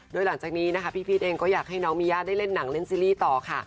โดยหลังจากนี้นะคะพี่พีชเองก็อยากให้น้องมีย่าได้เล่นหนังเล่นซีรีส์ต่อค่ะ